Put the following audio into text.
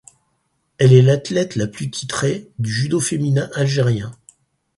Elle est l'athlète la plus titrée du judo féminin algérien.